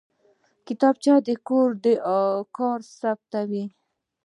کتابچه د کور کار ثبتوي